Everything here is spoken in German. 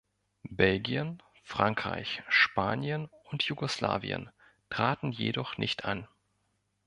Belgien, Frankreich, Spanien und Jugoslawien traten jedoch nicht an.